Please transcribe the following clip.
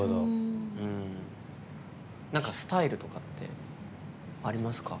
スタイルとかってありますか？